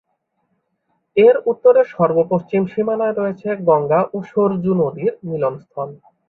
এর উত্তরের সর্ব-পশ্চিম সীমানায় রয়েছে গঙ্গা ও সরজু নদীর মিলনস্থল।